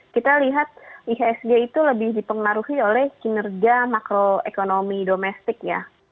kita lihat ihsg itu lebih dipengaruhi oleh kinerja makroekonomi domestik ya